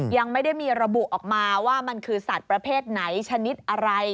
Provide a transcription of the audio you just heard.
ยังไม่ได้มีระบุออกมาว่ามันคือสัตว์ประเภทไหนชนิดอะไร